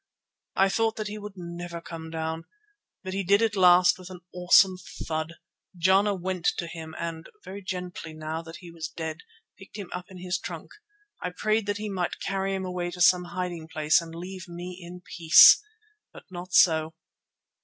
I thought that he would never come down, but he did at last with an awesome thud. Jana went to him and very gently, now that he was dead, picked him up in his trunk. I prayed that he might carry him away to some hiding place and leave me in peace. But not so.